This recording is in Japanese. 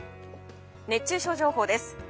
熱中症情報です。